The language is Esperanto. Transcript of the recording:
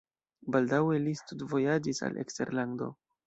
Baldaŭe li studvojaĝis al eksterlando.